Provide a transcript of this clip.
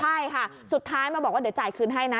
ใช่ค่ะสุดท้ายมาบอกว่าเดี๋ยวจ่ายคืนให้นะ